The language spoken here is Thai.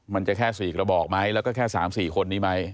มันจะแค่๔กระบอกไหมแล้วก็แค่๓๔คนนี้ไหม